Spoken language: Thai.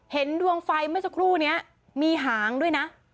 เห็นดวงไฟเมื่อสักครู่นี้มีหางด้วยนะ